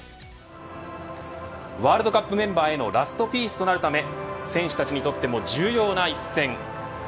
ワールドカップメンバーへのラストピースとなるため選手たちにとっても重要な一戦。